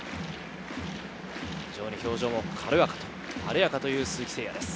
非常に表情も軽やか、晴れやかという鈴木誠也です。